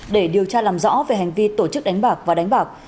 để điều tra làm rõ về hành vi tổ chức đánh bạc và đánh bạc